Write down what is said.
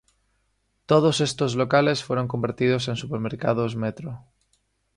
Todos estos locales fueron convertidos en Supermercados Metro.